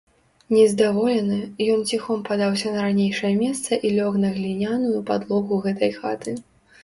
Нездаволены, ён ціхом падаўся на ранейшае месца і лёг на гліняную падлогу гэтай хаты.